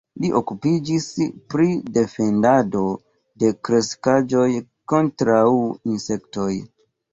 Li okupiĝis pri defendado de kreskaĵoj kontraŭ insektoj.